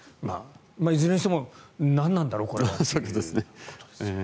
いずれにしても何なんだろう、これはと。